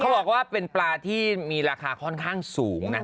บอกว่าเป็นปลาที่มีราคาค่อนข้างสูง